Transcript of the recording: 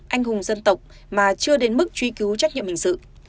anh hùng dân tộc mà chưa đến mức truy cứu trách nhiệm hình sự